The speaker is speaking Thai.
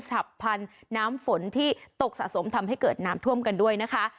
ฉับพันธุ์น้ำฝนที่ตกสะสมทำให้เกิดน้ำท่วมกันด้วยนะคะ